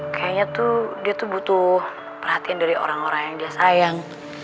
kayaknya tuh dia tuh butuh perhatian dari orang orang yang dia sayang